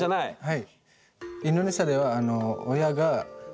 はい。